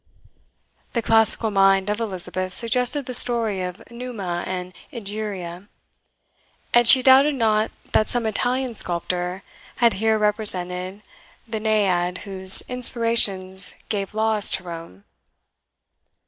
The classical mind of Elizabeth suggested the story of Numa and Egeria, and she doubted not that some Italian sculptor had here represented the Naiad whose inspirations gave laws to Rome.